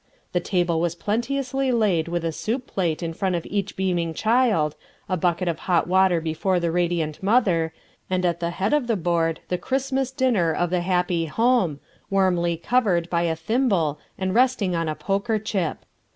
The table was plenteously laid with a soup plate in front of each beaming child, a bucket of hot water before the radiant mother, and at the head of the board the Christmas dinner of the happy home, warmly covered by a thimble and resting on a poker chip.